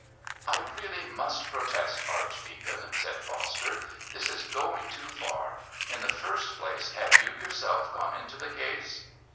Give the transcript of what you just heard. "I really must protest, Archdeacon," said Foster, "this is going too far. In the first place, have you yourself gone into the case?"